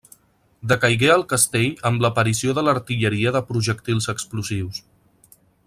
Decaigué el castell amb l'aparició de l'artilleria de projectils explosius.